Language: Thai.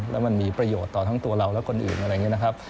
แล้วมันมีประโยชน์ต่อทั้งตัวเราและคนอื่นอะไรอย่างนี้นะครับ